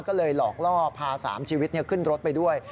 ก็เลยหลอกล่อพา๓ชีวิตขึ้นรถไปด้วย